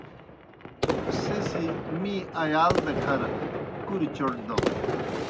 سہ سیْ می ایال دہ کھر کُریْ چوْٹ داؤن۔